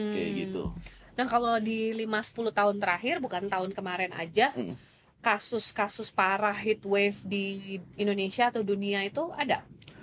nah kalau di lima sepuluh tahun terakhir bukan tahun kemarin aja kasus kasus parah heatwave di indonesia atau dunia itu ada